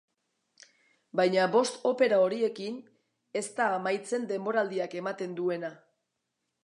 Baina bost opera horiekin ez da amaitzen denboraldiak ematen duena.